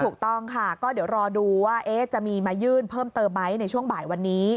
ถูกต้องค่ะก็เดี๋ยวรอดูว่าจะมีมายื่นเพิ่มเติมไหมในช่วงบ่ายวันนี้